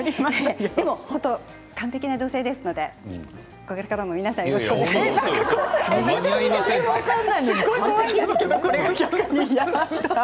でも完璧な女性ですのでこれからも皆さんよろしくお願いします。